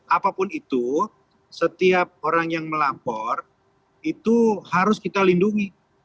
apapun itu setiap orang yang melapor itu harus kita lindungi